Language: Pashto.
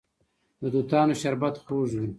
د توتانو شربت خوږ وي.